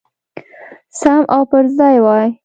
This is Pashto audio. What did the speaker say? سم او پرځای وای.